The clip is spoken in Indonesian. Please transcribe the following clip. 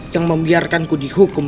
yang membiarkan ku dihukum